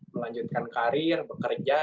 melanjutkan karir bekerja